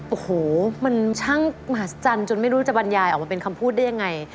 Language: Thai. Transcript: โอ้โหมันช่างมหัศจรรย์จนไม่รู้จะบรรยายออกมาเป็นคำพูดได้ยังไง